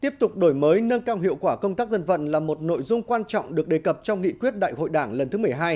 tiếp tục đổi mới nâng cao hiệu quả công tác dân vận là một nội dung quan trọng được đề cập trong nghị quyết đại hội đảng lần thứ một mươi hai